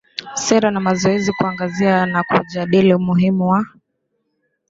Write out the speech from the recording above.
sera na mazoezi kuangazia na kujadili umuhimu wa